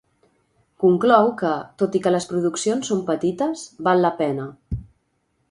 Conclou que, tot i que les produccions són petites, val la pena.